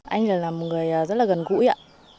anh là một người rất là gần gũi ạ